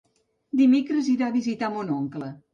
Dimecres irà a visitar mon oncle.